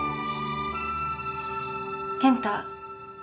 健太。